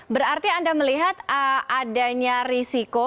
berarti anda melihat adanya risiko